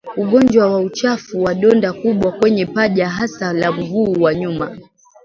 ugonjwa wa uchafu na donda kubwa kwenye paja hasa la mguu wa nyuma